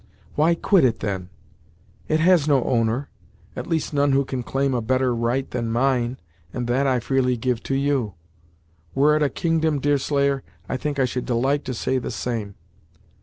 "Why quit it, then? It has no owner at least none who can claim a better right than mine, and that I freely give to you. Were it a kingdom, Deerslayer, I think I should delight to say the same.